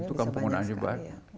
itu kan penggunaannya banyak